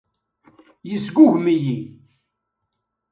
Yesgugem-iyi.